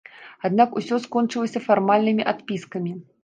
Аднак усё скончылася фармальнымі адпіскамі.